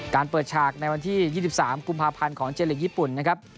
เปิดฉากในวันที่๒๓กุมภาพันธ์ของเจลีกญี่ปุ่นนะครับ